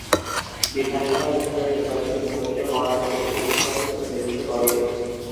বিধানসভা কেন্দ্রের নির্বাচিত সদস্য কর্ণাটকের বিধানসভাতে প্রতিনিধিত্ব করে।